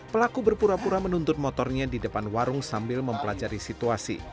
pelaku berpura pura menuntut motornya di depan warung sambil mempelajari situasi